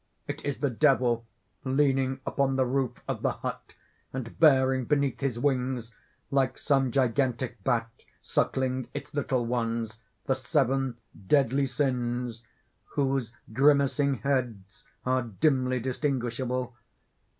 _ _It is the Devil, leaning upon the roof of the hut, and bearing beneath his wings like some gigantic bat suckling its little ones the Seven Deadly Sins, whose grimacing heads are dimly distinguishable.